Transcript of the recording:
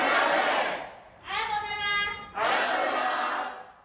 ありがとうございます！